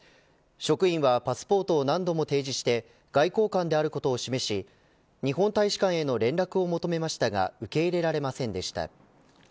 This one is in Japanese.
職員はパスポートは何度も提示して外交官であることを示し日本大使館への連絡を求めましたが受け入れられませんでした。